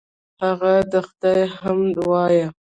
هغه د خدای حمد وایه.